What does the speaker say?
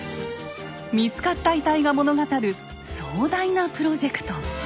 見つかった遺体が物語る壮大なプロジェクト。